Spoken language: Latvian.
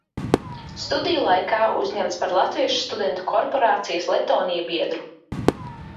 "Studiju laikā uzņemts par latviešu studentu korporācijas "Lettonia" biedru."